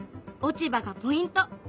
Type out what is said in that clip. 落ち葉がポイント！